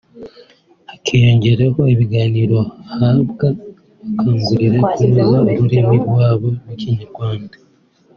hakiyongeraho ibiganiro bahabwa bakangurirwa kunoza ururimi rwabo rw’Ikinyarwanda